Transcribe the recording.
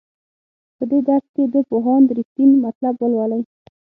په دې درس کې د پوهاند رښتین مطلب ولولئ.